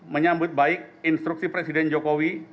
menyambut baik instruksi presiden jokowi